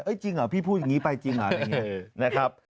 เอ้ยจริงเหรอพี่พูดอย่างนี้ไปจริงเหรอ